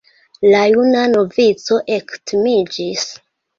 La juna novico ektimiĝis.